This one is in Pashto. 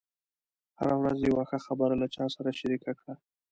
هره ورځ یوه ښه خبره له چا سره شریکه کړه.